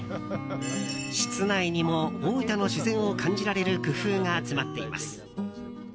室内にも大分の自然を感じられる工夫が詰まっています。